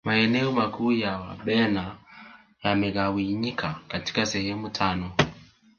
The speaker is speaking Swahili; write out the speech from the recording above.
maeneo makuu ya wabena yamegawanyika katika sehemu tano